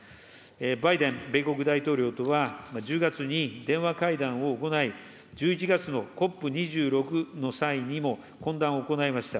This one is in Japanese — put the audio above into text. バイデン米国大統領とは、１０月に電話会談を行い、１１月のＣＯＰ２６の際にも懇談を行いました。